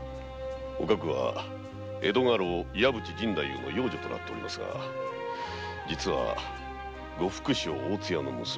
おかくは江戸家老・岩淵殿の養女となっておりますが実は呉服商大津屋の娘。